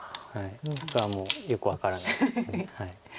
僕はもうよく分からないです。